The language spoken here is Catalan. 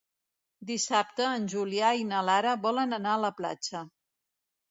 Dissabte en Julià i na Lara volen anar a la platja.